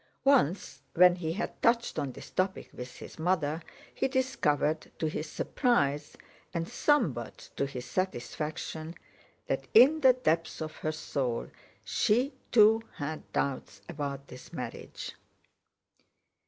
Once, when he had touched on this topic with his mother, he discovered, to his surprise and somewhat to his satisfaction, that in the depth of her soul she too had doubts about this marriage.